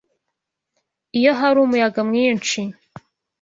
Iyo hari umuyaga mwinshi.